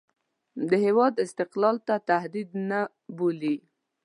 د هېواد استقلال ته تهدید نه بولي.